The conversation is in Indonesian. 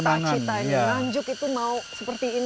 bagaimana kamu menurutmu